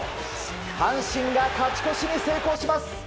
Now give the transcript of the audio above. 阪神が勝ち越しに成功します。